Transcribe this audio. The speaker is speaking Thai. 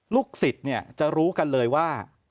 ลูกศิษย์จะรู้กันเลยว่า